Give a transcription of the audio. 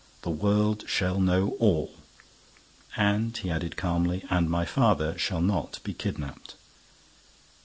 The world shall know all." And he added, calmly, "And my father shall not be kidnapped."